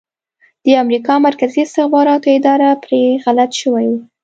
د امریکا مرکزي استخباراتو اداره پرې غلط شوي وو